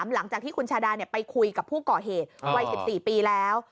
หลังจากที่คุณชาดาไปคุยกับผู้ก่อเหตุวัย๑๔ปีแล้ว